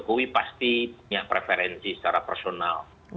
pak jokowi pasti punya preferensi secara personal